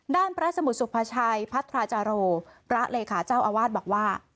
ด้านพระสมุทรสุภาชัยพัทราจาโรพระเลขาเจ้าอาวาสบอกว่า